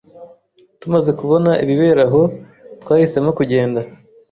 Tumaze kubona ibibera aho, twahisemo kugenda.